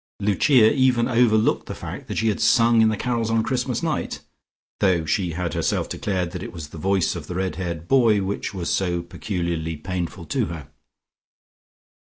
Lucia even overlooked the fact that she had sung in the carols on Christmas night, though she had herself declared that it was the voice of the red haired boy which was so peculiarly painful to her.